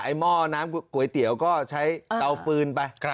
หม้อน้ำก๋วยเตี๋ยวก็ใช้เตาฟืนไป